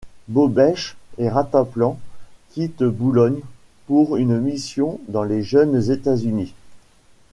Bobèche et Rataplan quittent Boulogne pour une mission dans les jeunes Etats-Unis.